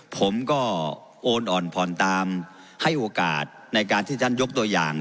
ผมก็โอนอ่อนผ่อนตามให้โอกาสในการที่ท่านยกตัวอย่าง